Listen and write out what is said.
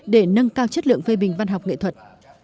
để nâng cao chất lượng phê bình văn học nghệ thuật